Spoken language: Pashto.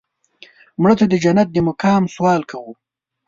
مړه ته د جنت د مقام سوال کوو